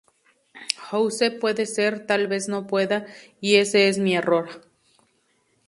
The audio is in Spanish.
House:-Puede ser, tal vez no pueda y ese es mi error.